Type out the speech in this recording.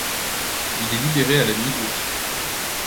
Il est libéré à la mi-août.